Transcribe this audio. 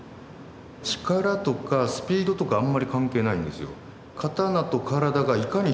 力とかスピードとかあんまり関係ないんですよ。